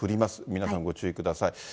皆さんご注意ください。